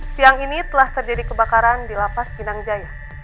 siang ini telah terjadi kebakaran di lapas pinang jaya